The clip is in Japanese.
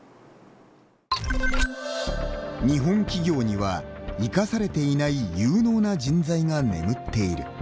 日本企業には生かされていない有能な人材が眠っている。